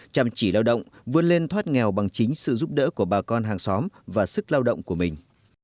chăm chỉ lao động vươn lên thoát nghèo bằng chính sự giúp đỡ của bà con hàng xóm và sức lao động của mình